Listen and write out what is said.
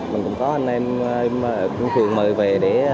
mình cũng có anh em em cũng thường mời về để